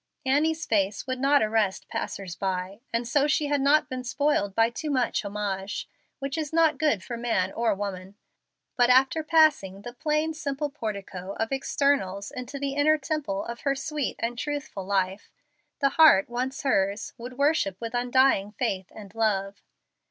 Annie's face would not arrest passers by, and so she had not been spoiled by too much homage, which is not good for man or woman. But after passing the plain, simple portico of externals into the inner temple of her sweet and truthful life, the heart once hers would worship with undying faith and love.